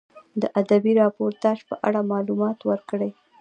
د ادبي راپورتاژ په اړه معلومات ورکړئ.